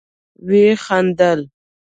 ويې خندل.